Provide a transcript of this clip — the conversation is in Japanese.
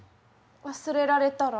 忘れられたら？